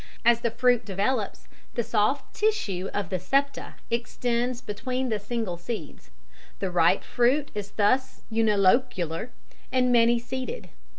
As the fruit develops, the soft tissue of the septa extends between the single seeds; the ripe fruit is thus unilocular and many seeded.